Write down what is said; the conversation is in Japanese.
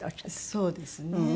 そうですね。